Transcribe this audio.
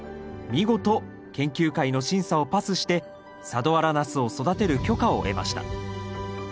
見事研究会の審査をパスして佐土原ナスを育てる許可を得ました。